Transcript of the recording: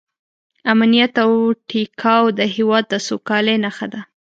امنیت او ټیکاو د هېواد د سوکالۍ نښه ده.